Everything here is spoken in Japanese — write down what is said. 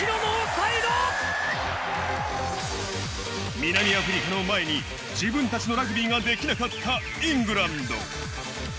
南アフリカの前に自分たちのラグビーができなかったイングランド。